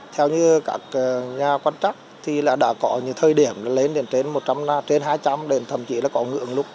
theo như các nhà quan trọng thì đã có những thời điểm lên đến trên hai trăm linh đến thậm chí là có ngưỡng lúc